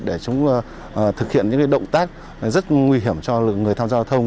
để chúng thực hiện những động tác rất nguy hiểm cho người tham gia giao thông